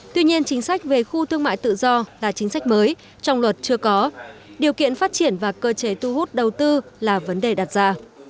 tuy nhiên chính sách về khu thương mại tự do là chính sách mới trong luật chưa có điều kiện phát triển và cơ chế tu hút đầu tư là vấn đề đặt ra